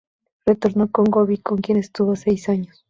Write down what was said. Retornó con Gobbi, con quien estuvo seis años.